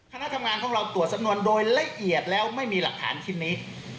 คณะทำงานของเราตรวจสำนวนโดยละเอียดแล้วไม่มีหลักฐานชิ้นนี้